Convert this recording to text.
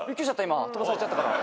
飛ばされちゃったから。